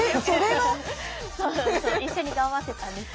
一緒に頑張ってたんです。